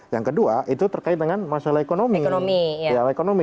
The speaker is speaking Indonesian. yang kedua itu terkait dengan masalah ekonomi